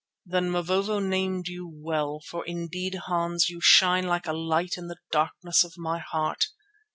"Then Mavovo named you well, for indeed, Hans, you shine like a light in the darkness of my heart.